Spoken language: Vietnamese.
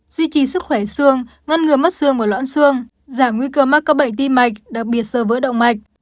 duy trì sức khỏe xương ngăn ngừa mất xương và loãn xương giảm nguy cơ mắc các bệnh tim mạch đặc biệt sơ vỡ động mạch